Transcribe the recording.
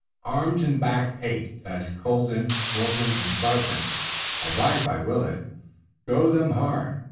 Arms and backs ached as Colden, Wilton and Carson, advised by Willet, drove them hard.